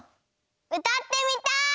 うたってみたい！